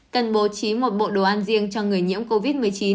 cần bố trí một bộ đồ ăn riêng cho người nhiễm covid một mươi chín